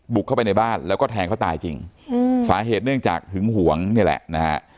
บุกเข้าไปในบ้านแล้วก็แทงเขาตายจริงสาเหตุเนื่องจากหึงหวงนี่แหละนะฮะ